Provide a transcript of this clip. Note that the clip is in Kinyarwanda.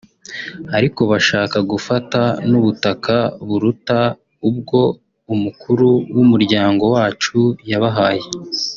ariko bashaka gufata n’ubutaka buruta ubwo umukuru w’umuryango wacu yabahaye